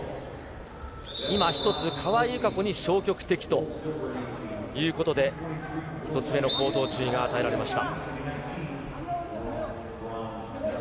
今１つ、川井友香子に消極的ということで、１つ目の口頭注意が与えられました。